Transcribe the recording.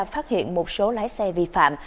phát hiện một số lái xe vi phạm